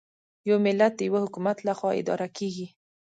یو ملت د یوه حکومت له خوا اداره کېږي.